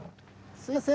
すみません。